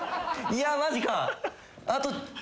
いやマジか！